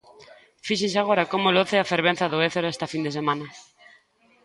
Fíxense agora como loce a fervenza do Ézaro esta fin de semana.